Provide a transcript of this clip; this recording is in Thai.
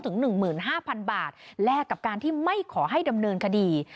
ถึง๑๕๐๐๐บาทแลกกับการที่ไม่ขอให้ดำเนินคดี